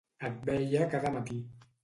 Et veia cada matí.